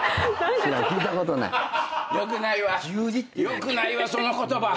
よくないわその言葉。